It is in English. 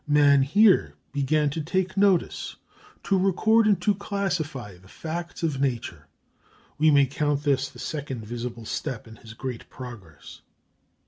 Man here began to take notice, to record and to classify the facts of nature. We may count this the second visible step in his great progress.